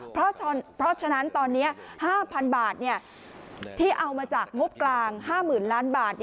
เพราะฉะนั้นตอนนี้๕๐๐๐บาทที่เอามาจากงบกลาง๕๐๐๐ล้านบาท